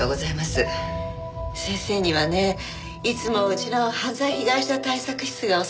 先生にはねいつもうちの犯罪被害者対策室がお世話になってるの。